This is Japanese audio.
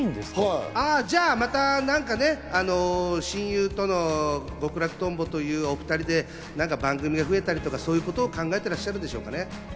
じゃあまた何かね、親友との極楽とんぼというお２人で番組が増えたりとか、そういうことを考えてらっしゃるでしょうかね。